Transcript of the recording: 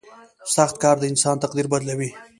• سخت کار د انسان تقدیر بدلوي.